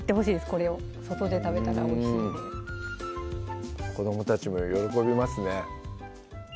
これを外で食べたらおいしいので子どもたちも喜びますね